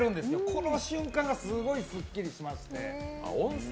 この瞬間がすごいすっきりしますね。